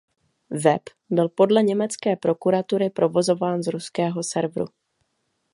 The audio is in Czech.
Web byl podle německé prokuratury provozován z ruského serveru.